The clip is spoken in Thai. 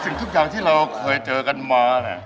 สิ่งทุกอย่างที่เราเคยเจอกันมา